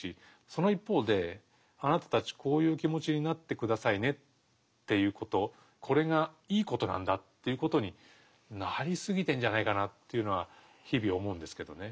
その一方で「あなたたちこういう気持ちになって下さいね」っていうことこれがいいことなんだっていうことになりすぎてんじゃないかなというのは日々思うんですけどね。